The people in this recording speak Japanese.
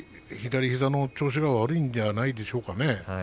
左膝の調子が悪いんじゃないでしょうかね。